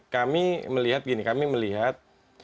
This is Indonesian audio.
kami melihat gini kami melihat